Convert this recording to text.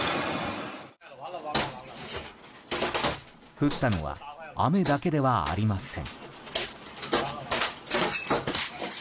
降ったのは雨だけではありません。